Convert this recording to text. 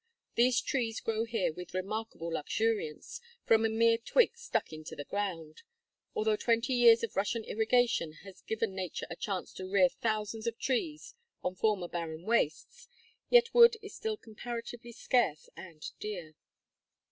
These trees grow here with remarkable luxuriance, from a mere twig stuck into the ground. Although twenty years of Russian irrigation has given Nature a chance to rear thousands of trees on former barren wastes, yet wood is still comparatively scarce and dear.